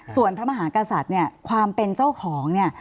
ส่วนพระมหากษัตริย์เนี่ยความเป็นเจ้าของเนี่ย